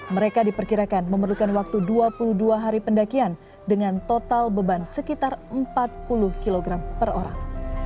mereka diperkirakan memerlukan waktu dua puluh dua hari pendakian dengan total beban sekitar empat puluh kg per orang